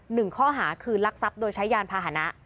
หนึ่งข้อหาคือลักทรัพย์โดยใช้ยานพาหนะ